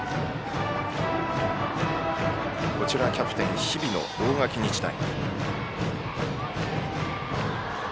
キャプテン、日比野大垣日大。